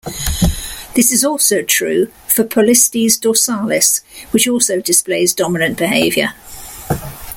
This is also true for "Polistes dorsalis", which also displays dominant behavior.